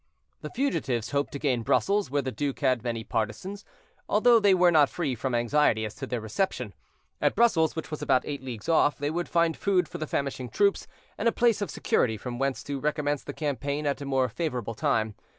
The fugitives hoped to gain Brussels, where the duke had many partisans, although they were not free from anxiety as to their reception. At Brussels, which was about eight leagues off, they would find food for the famishing troops, and a place of security from whence to recommence the campaign at a more favorable time.